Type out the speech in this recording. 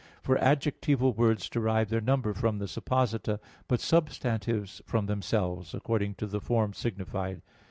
For adjectival words derive their number from the supposita but substantives from themselves, according to the form signified.